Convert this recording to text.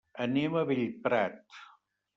Anem a Bellprat.